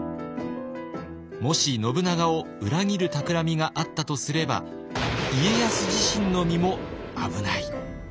もし信長を裏切る企みがあったとすれば家康自身の身も危ない。